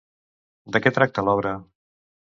De què tracta l'obra?